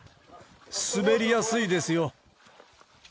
滑りやすいですよ。